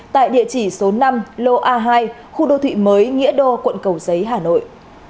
tại địa chỉ số năm lô a hai khu đô thị mới nghĩa đô quận cầu giấy hà nội